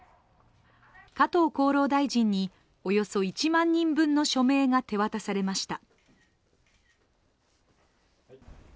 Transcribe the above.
加藤厚労大臣におよそ１万人分の署名が手渡されました。